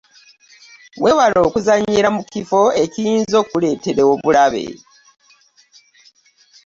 Weewale okuzannyira mu kifo ekiyinza okuleetera obulabe.